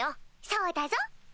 そうだぞ。